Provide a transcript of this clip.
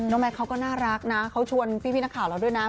แมทเขาก็น่ารักนะเขาชวนพี่นักข่าวเราด้วยนะ